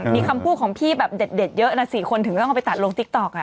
มีคำพูดของพี่แบบเด็ดเยอะนะ๔คนถึงต้องเอาไปตัดลงติ๊กต๊อก